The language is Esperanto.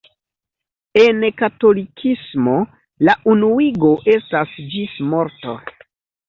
En katolikismo, la unuigo estas ĝis morto.